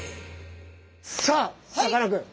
さあさかなクン。